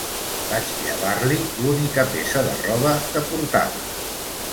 Vaig llevar-li l'única peça de roba que portava.